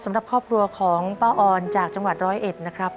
สำหรับครอบครัวของป้าออนจากจังหวัดร้อยเอ็ดนะครับ